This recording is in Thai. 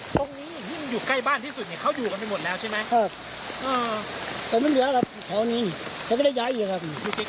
ที่มันอยู่ใกล้บ้านที่สุดเขายู่กันไปหมดแล้วใช่ไหม